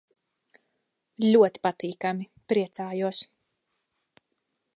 Ļoti patīkami. Priecājos.